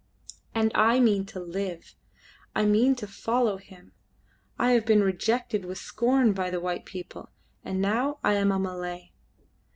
"And I mean to live. I mean to follow him. I have been rejected with scorn by the white people, and now I am a Malay!